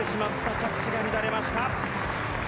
着地が乱れました。